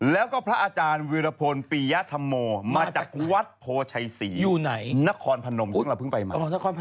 แล้วก็พระอาจารย์วิรพลปียธรรมโมมาจากวัดโพชัยศรีนครพนมซึ่งเราเพิ่งไปมา